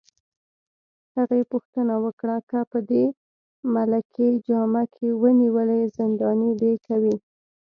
هغې پوښتنه وکړه: که په دې ملکي جامه کي ونیولې، زنداني دي کوي؟